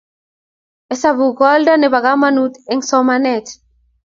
hesabuk ko oldo nepo kamanut eng somanet